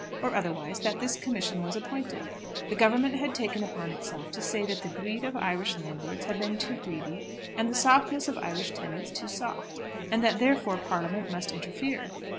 or otherwise, that this commission was appointed. The Government had taken upon itself to say that the greed of Irish landlords had been too greedy, and the softness of Irish tenants too soft, and that therefore Parliament must interfere.